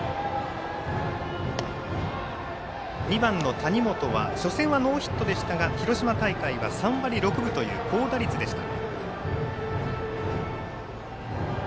２番の谷本は初戦はノーヒットでしたが広島大会は３割６分という高打率でした。